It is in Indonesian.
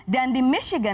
dan di michigan